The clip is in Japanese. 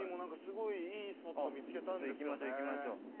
行きましょう行きましょう。